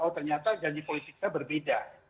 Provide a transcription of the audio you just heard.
oh ternyata janji politiknya berbeda